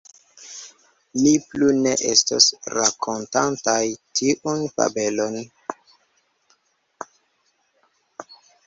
Ni plu ne estos rakontantaj tiun fabelon.